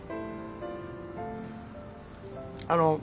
あの。